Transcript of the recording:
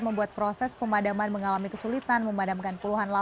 membuat proses pemadaman mengalami kesulitan memadamkan puluhan laki laki